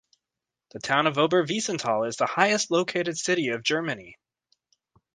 The town of Oberwiesenthal is the highest located city of Germany.